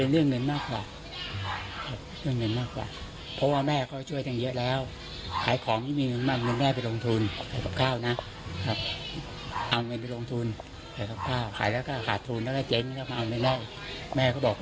ด้านน้องสาวของหญิงสาวที่บาดเจ็บ